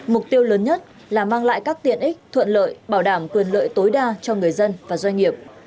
mục tiêu lớn nhất là mang lại các tiện ích thuận lợi bảo đảm quyền lợi tối đa cho người dân và doanh nghiệp